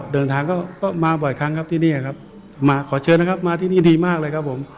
เดินทางก็ก็มาบ่อยครั้งครับที่นี่ครับมาขอเชิญนะครับมาที่นี่ดีมากเลยครับผม